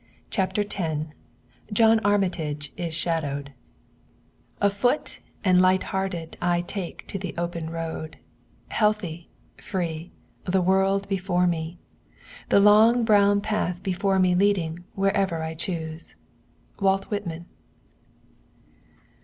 CHAPTER X JOHN ARMITAGE IS SHADOWED Afoot and light hearted I take to the open road, Healthy, free, the world before me, The long brown path before me leading wherever I choose. Walt Whitman.